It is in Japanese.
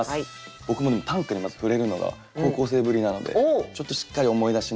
僕も短歌にまず触れるのが高校生ぶりなのでちょっとしっかり思い出しながら。